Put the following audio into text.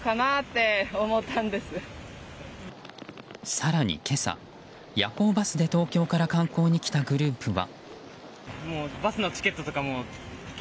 更に今朝、夜行バスで東京から観光に来たグループは。